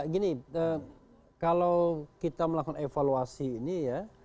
gini kalau kita melakukan evaluasi ini ya